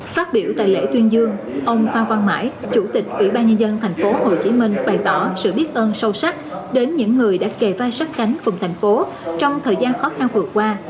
phát biểu tại lễ tuyên dương ông phan quang mãi chủ tịch ủy ban nhân dân thành phố hồ chí minh bày tỏ sự biết ơn sâu sắc đến những người đã kề vai sát cánh cùng thành phố trong thời gian khó khăn vừa qua